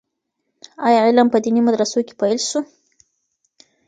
آيا علم په ديني مدرسو کي پيل سو؟